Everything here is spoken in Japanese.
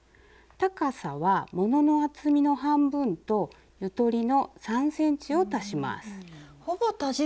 高さは物の厚みの半分とゆとりの３ｃｍを足します。